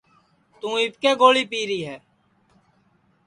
توں اِٻکے گوݪی پیری ہے